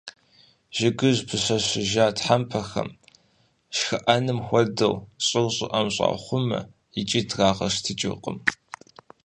Жыгым пыщэщыжа тхьэмпэхэм, шхыӀэным хуэдэу, щӏыр щӏыӏэм щахъумэр, икӏи трагъэщтыкӀыркъым.